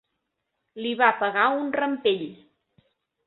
Li va pegar un rampell.